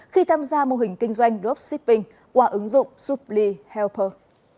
khi tham gia mô hình kinh doanh dropshipping qua ứng dụng zubli helper